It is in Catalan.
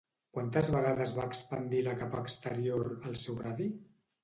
Quantes vegades va expandir la capa exterior el seu radi?